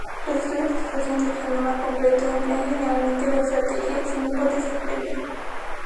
Los estudios de asociación del genoma completo emplean generalmente la estrategia sin hipótesis previa.